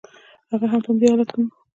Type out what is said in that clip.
هغه په همدې حالت کې ومړ.